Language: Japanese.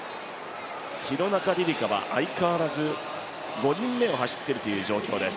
廣中璃梨佳は相変わらず５人目を走っているという状況です